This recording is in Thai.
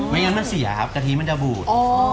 งั้นมันเสียครับกะทิมันจะบูด